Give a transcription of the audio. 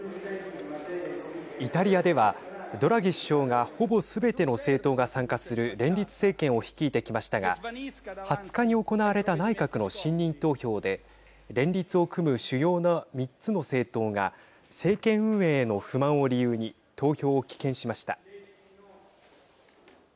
イタリアでは、ドラギ首相がほぼすべての政党が参加する連立政権を率いてきましたが２０日に行われた内閣の信任投票で連立を組む主要な３つの政党が政権運営への不満を理由に投票を棄権しました。